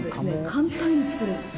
簡単に作れるんです。